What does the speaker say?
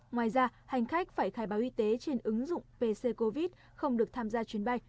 ngoài ra hành khách phải khai báo y tế trên ứng dụng pc covid không được tham gia chuyến bay